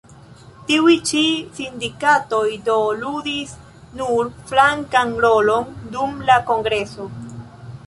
Tiuj ĉi sindikatoj do ludis nur flankan rolon dum la kongreso.